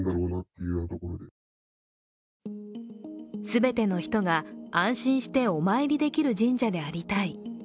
全ての人が安心してお参りできる神社でありたい。